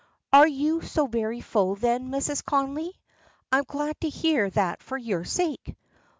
"Are you so very full, then, Mrs. Connolly? I'm glad to hear that for your sake."